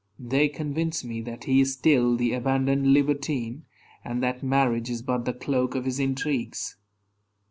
They convince me that he is still the abandoned libertine, and that marriage is but the cloak of his intrigues.